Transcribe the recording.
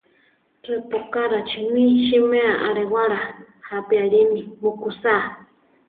Repókarachi mi siméa alewála, jápi alími mukúsaa.